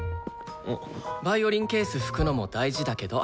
ヴァイオリンケース拭くのも大事だけど。